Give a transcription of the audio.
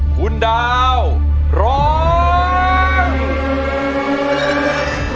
คุณดาวร้อง